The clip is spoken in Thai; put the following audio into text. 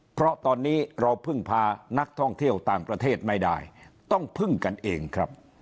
เพราะตอนนี้เราพึ่งพานักท่องเที่ยวต่างประเทศไม่ได้ต้องพึ่งกันเองครับ